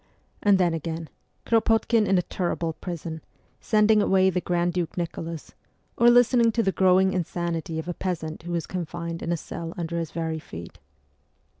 And then again Kropotkin in a terrible prison, sending away the Grand Duke Nicholas, or listening to the growing insanity of a peasant who is confined in a cell under his very feet.